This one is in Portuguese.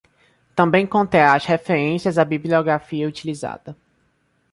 Também conterá as referências à bibliografia utilizada.